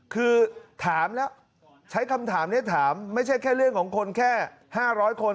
คือถามแล้วใช้คำถามนี้ถามไม่ใช่แค่เรื่องของคนแค่๕๐๐คน